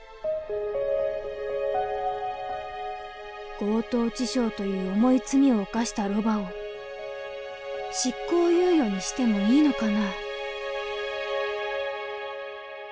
強盗致傷という重い罪を犯したロバを執行猶予にしてもいいのかな？